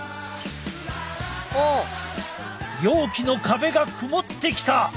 容器の壁が曇ってきた！